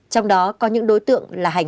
trong đó có những đối tượng là hành khách